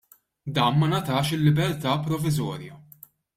Dan ma ngħatax il-libertà proviżorja.